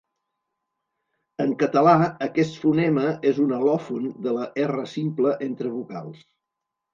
En català aquest fonema és un al·lòfon de la erra simple entre vocals.